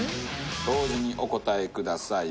同時にお答えください。